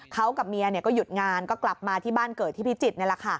เขากับเมียก็หยุดงานก็กลับมาที่บ้านเกิดที่พิจิตร